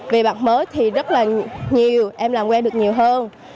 về mặt mới thì rất là nhiều em làm quen được nhiều hơn